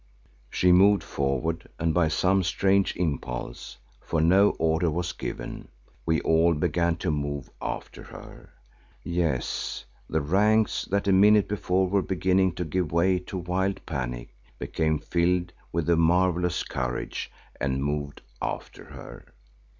She moved forward and by some strange impulse, for no order was given, we all began to move after her. Yes, the ranks that a minute before were beginning to give way to wild panic, became filled with a marvellous courage and moved after her.